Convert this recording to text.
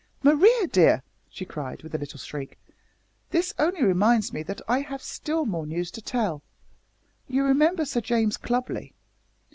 "Maria dear!" she cried, with a little shriek, "this only reminds me that I have still more news to tell. You remember Sir James Clubley?